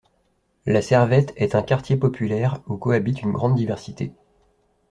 La Servette est un quartier populaire où cohabite une grande diversité.